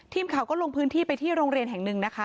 ทีมข่าวก็ลงพื้นที่ไปที่โรงเรียนแห่งหนึ่งนะคะ